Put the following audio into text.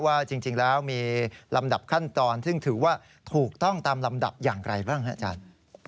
ว่าจริงแล้วมีลำดับขั้นตอนซึ่งถือว่าถูกต้องตามลำดับอย่างไรบ้างครับอาจารย์